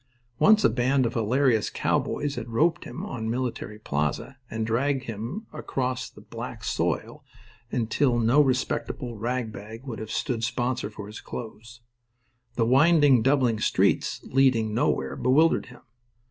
Once a band of hilarious cowboys had roped him on Military Plaza and dragged him across the black soil until no respectable rag bag would have stood sponsor for his clothes. The winding, doubling streets, leading nowhere, bewildered him.